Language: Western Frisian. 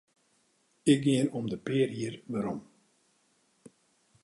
Ik gean om de pear jier werom.